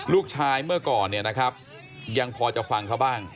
เมื่อก่อนเนี่ยนะครับยังพอจะฟังเขาบ้าง